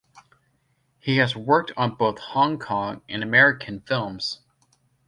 He has worked on both Hong Kong and American films.